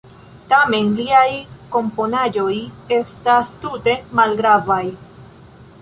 Tamen liaj komponaĵoj estas tute malgravaj.